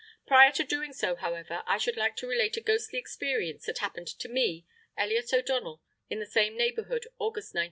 Prior to doing so, however, I should like to relate a ghostly experience that happened to me, Elliott O'Donnell, in the same neighbourhood, August 1904.